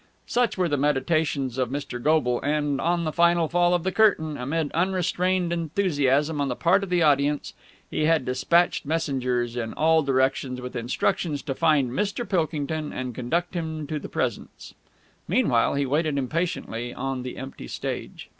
Such were the meditations of Mr. Goble, and, on the final fall of the curtain, amid unrestrained enthusiasm on the part of the audience, he had despatched messengers in all directions with instructions to find Mr. Pilkington and conduct him to the presence. Meanwhile, he waited impatiently on the empty stage.